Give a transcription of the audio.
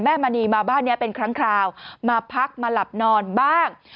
มณีมาบ้านนี้เป็นครั้งคราวมาพักมาหลับนอนบ้าง